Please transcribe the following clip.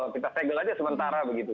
kita segel aja sementara begitu